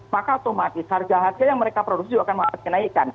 maka otomatis harga harga yang mereka produksi juga akan mengalami kenaikan